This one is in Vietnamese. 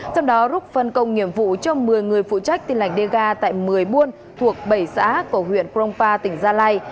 trong đó rốt phân công nhiệm vụ cho một mươi người phụ trách tin lãnh dega tại một mươi buôn thuộc bảy xã của huyện krongpa tỉnh gia lai